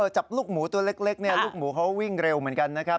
จับลูกหมูตัวเล็กลูกหมูเขาวิ่งเร็วเหมือนกันนะครับ